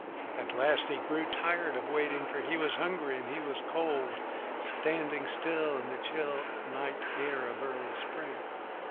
At last he grew tired waiting, for he was hungry and he was cold standing still in the chill night air of early spring.